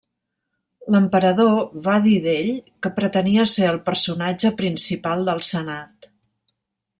L'emperador va dir d'ell que pretenia ser el personatge principal del senat.